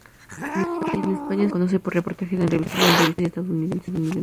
En España sólo se le conoce por reportajes en revistas inglesas y estadounidenses.